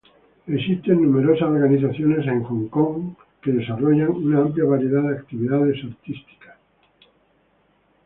Existen numerosas organizaciones en Hong Kong que desarrollan una amplia variedad de actividades artísticas.